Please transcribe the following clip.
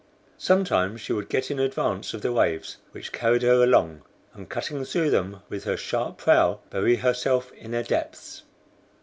Sometimes she would get in advance of the waves which carried her along, and cutting through them with her sharp prow, bury herself in their depths.